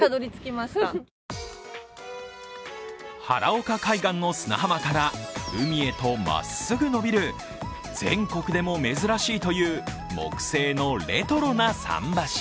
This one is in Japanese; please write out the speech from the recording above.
原岡海岸の砂浜から海へとまっすぐ伸びる全国でも珍しいという木製のレトロな桟橋。